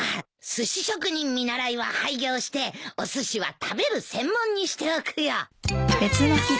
すし職人見習いは廃業しておすしは食べる専門にしておくよ。